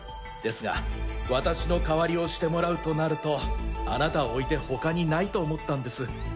ですが私の代わりをしてもらうとなるとあなたを置いて他にないと思ったんです。